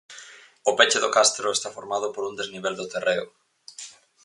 O peche do castro está formado por un desnivel do terreo.